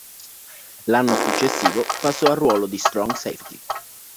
L'anno successivo passò al ruolo di strong safety.